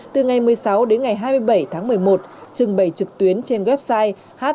từ ngày một mươi sáu đến ngày hai mươi bảy tháng một mươi một trưng bày trực tuyến trên website hiv